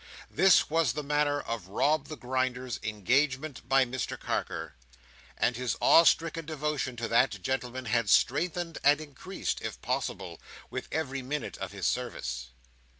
This was the manner of Rob the Grinder's engagement by Mr Carker, and his awe stricken devotion to that gentleman had strengthened and increased, if possible, with every minute of his service.